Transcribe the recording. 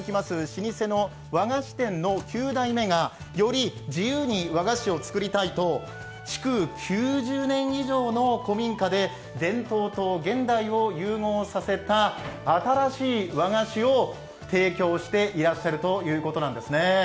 老舗の和菓子店の９代目がより自由に和菓子を作りたいと築９０年以上の古民家で伝統と現代を融合させた新しい和菓子を提供していらっしゃるということなんですね。